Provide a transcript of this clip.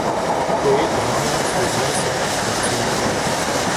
Cue Drama führt jedes Jahr Produktionen auf.